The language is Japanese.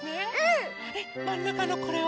まんなかのこれは？